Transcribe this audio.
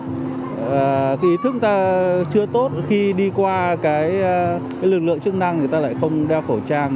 thì thức ta chưa tốt khi đi qua cái lực lượng chức năng người ta lại không đeo khẩu trang